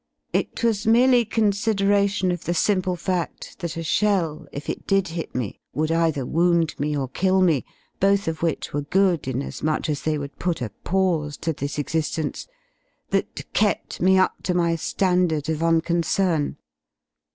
It was merely consideration of the simple faft that a shell, if it did hit me, would either wound me or kill me, both of which were good Inasmuch as they would put a pause to this exigence — that kept me up to my ^andard of I f unconcern.